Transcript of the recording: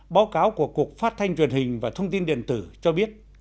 báo cáo của cục phát thanh truyền hình và thông tin điện tử cho biết